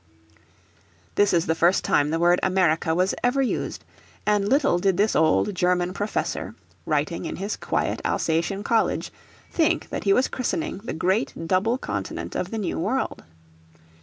This is the first time the word America was ever used, and little did this old German professor, writing in his quiet Alsatian College, think that he was christening the great double continent of the New World.